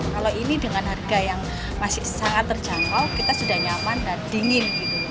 kalau ini dengan harga yang masih sangat terjangkau kita sudah nyaman dan dingin